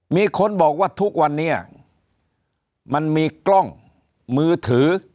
มีคนบอกว่าทุกวันนี้มันมีกล้องมือถือ